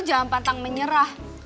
jangan pantang menyerah